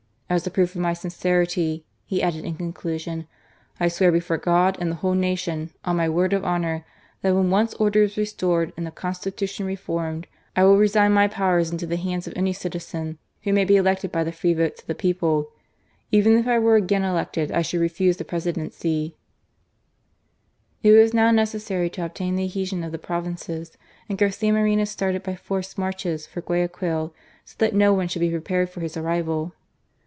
" As a proof of my sincerity," he added in conclusion, " I swear before God and the whole nation, on my word of honour, that when once order is restored and the Constitution reformed, I will resign my powers into the hands of any citizen f^ GABCIA MORSNO. wbcyinay I>e elected by tli^ free votes of the fiecq^ Even if I were agtin elected, I should ie^s^ ^M Presidency/' '^»* It was now necessary to obtain the adtedfic^ of tiie provinces, and Garda Mm'eiio smarted W forced'marches for Guajraqnil, so that no erne sismM be prepared for his arriiiul.